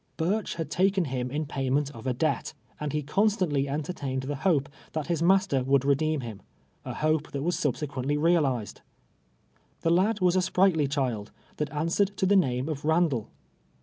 Burcli liad taken him in payment of a debt, and lie constantly entertained the hope that liis master would redeem him — a hope that was subsequently realized. The lad was a sprightly child, that answered to the uame of Randall.